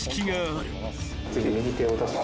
ぜひ右手を出して。